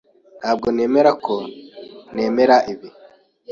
Ntabwo nemera ko nemera ibi.